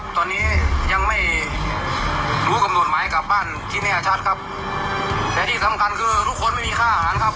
ตอนนี้ยังไม่รู้กำหนดหมายกลับบ้านที่แน่ชัดครับและที่สำคัญคือทุกคนไม่มีค่าอาหารครับ